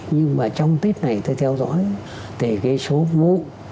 nhưng mà trong tết này tôi theo dõi từ cái số vụ